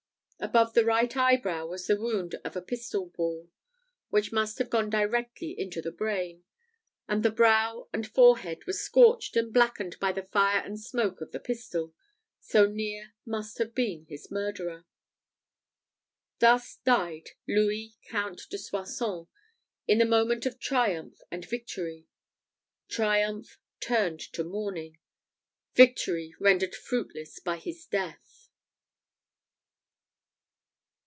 Above the right eyebrow was the wound of a pistol ball, which must have gone directly into the brain; and the brow and forehead were scorched and blackened with the fire and smoke of the pistol so near must have been his murderer. Thus died Louis Count de Soissons, in the moment of triumph and victory triumph turned to mourning, victory rendered fruitless by his death!